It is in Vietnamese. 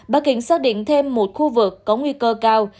bắc kinh xác định thêm một khu vực có nguy cơ cao